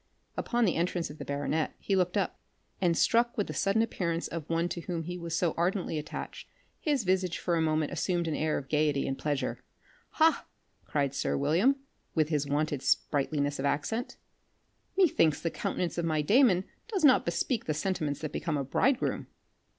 Upon the entrance of the baronet he looked up, and struck with the sudden appearance of one to whom he was so ardently attached, his visage for a moment assumed an air of gaiety and pleasure. "Ha," cried sir William, with his wonted spriteliness of accent, "methinks the countenance of my Damon does not bespeak the sentiments that become a bridegroom."